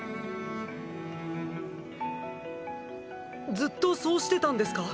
ずっとそうしてたんですか？